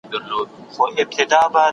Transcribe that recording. زما دمرګ اعلان کي راته وخاندي